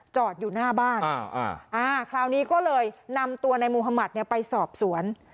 จอดอยู่หน้าบ้านอ่าอ่าคราวนี้ก็เลยนำตัวนายมุธมัติเนี่ยไปสอบสวน